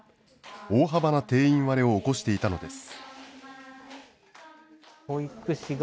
大幅な定員割れを起こしていたのです。